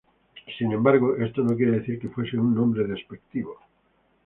Sin embargo esto no quiere decir que fuese un nombre despectivo.